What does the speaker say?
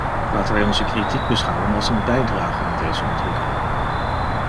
Laten wij onze kritiek beschouwen als een bijdrage aan deze ontwikkeling.